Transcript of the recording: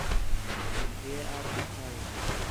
ہے آپ ݙُکّھا ہے